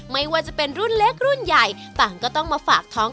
ไม่ว่าจะเป็นรุ่นเล็กรุ่นใหญ่ต่างก็ต้องมาฝากท้อง